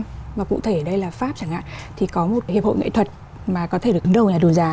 thì cụ thể ở đây là pháp chẳng hạn thì có một hiệp hội nghệ thuật mà có thể được đầu nhà đầu giá